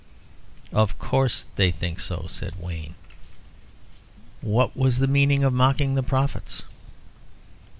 "Of course they think so," said Wayne. "What was the meaning of mocking the prophets?"